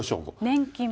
年金も。